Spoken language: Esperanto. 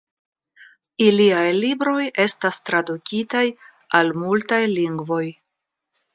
Iliaj libroj estas tradukitaj al multaj lingvoj.